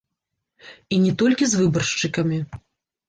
І не толькі з выбаршчыкамі.